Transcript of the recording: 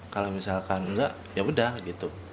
kalau misalkan enggak ya udah gitu